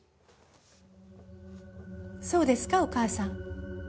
「そうですかお義母さん」。